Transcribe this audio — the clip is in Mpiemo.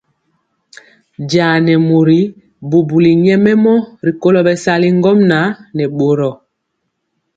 Jaa nɛ mori bubuli nyɛmemɔ rikolo bɛsali ŋgomnaŋ nɛ boro.